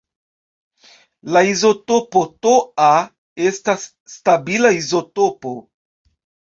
La izotopo Ta estas stabila izotopo.